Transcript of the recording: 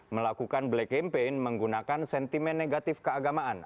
melakukan black campaign menggunakan sentimen negatif keagamaan